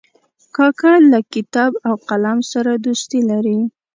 کاکړ له کتاب او قلم سره دوستي لري.